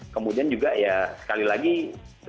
kemudian juga ya sekali lagi kepintaran timnya